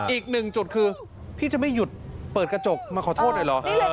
อีกหนึ่งจุดคือพี่จะไม่หยุดเปิดกระจกมาขอโทษหน่อยเหรอ